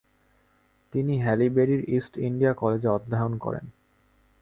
তিনি হ্যালিবেরির East India কলেজে অধ্যয়ন করেন।